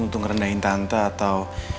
untuk ngerendahin tante atau